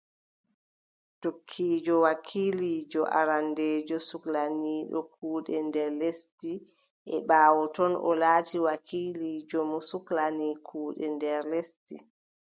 Tokkiijo wakiiliijo arandeejo suklaniiɗo kuuɗe nder lesdi, e ɓaawo ton, o laati wakiiliijo mo suklani kuuɗe nder lesdi .